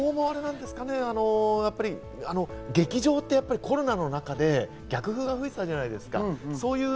劇場ってコロナの中で閉鎖されているじゃないですか。